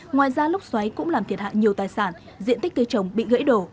ngoài ra lốc xoáy cũng làm thiệt hại nhiều tài sản diện tích cây trồng bị gãy đổ